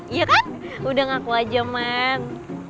iya kan udah ngaku aja man